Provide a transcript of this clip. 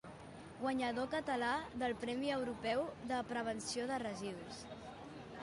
Guanyador català del Premi Europeu de Prevenció de Residus.